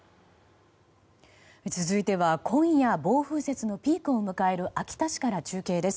続いては今夜暴風雪のピークを迎える秋田市から中継です。